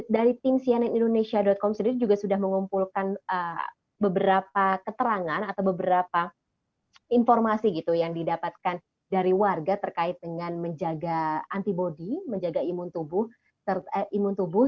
dari tim cnn indonesia com sendiri juga sudah mengumpulkan beberapa keterangan atau beberapa informasi gitu yang didapatkan dari warga terkait dengan menjaga antibody menjaga imun tubuh